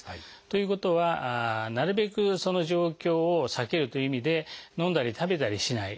ということはなるべくその状況を避けるという意味で飲んだり食べたりしない。